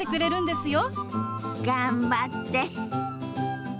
頑張って。